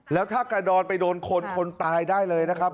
แล้วถ้ากระดอนไปโดนคนคนตายได้เลยนะครับ